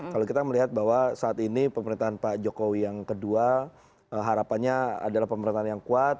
kalau kita melihat bahwa saat ini pemerintahan pak jokowi yang kedua harapannya adalah pemerintahan yang kuat